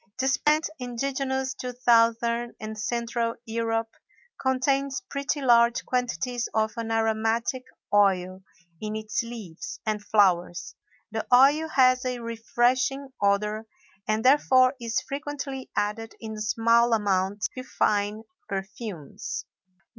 This plant, indigenous to Southern and Central Europe, contains pretty large quantities of an aromatic oil in its leaves and flowers; the oil has a refreshing odor and therefore is frequently added in small amounts to fine perfumes.